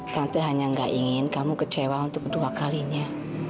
tante hanya gak ingin kamu kecewa untuk kedua kalinya